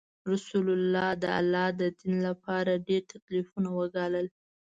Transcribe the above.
رسول الله د الله د دین لپاره ډیر تکلیفونه وګالل.